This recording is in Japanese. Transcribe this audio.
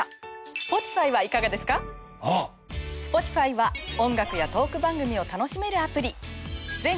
Ｓｐｏｔｉｆｙは音楽やトーク番組を楽しめるアプリ。